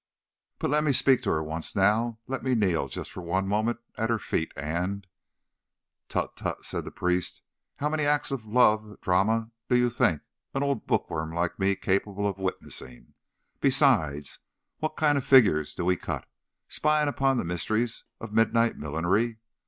But let me speak to her once now, let me kneel for just one moment at her feet, and—" "Tut, tut!" said the priest. "How many acts of a love drama do you think an old bookworm like me capable of witnessing? Besides, what kind of figures do we cut, spying upon the mysteries of midnight millinery!